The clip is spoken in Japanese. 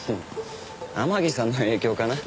天樹さんの影響かな。